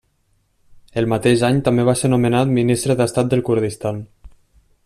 El mateix any també va ser nomenat ministre d'Estat del Kurdistan.